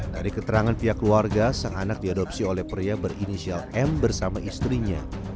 dari keterangan pihak keluarga sang anak diadopsi oleh pria berinisial m bersama istrinya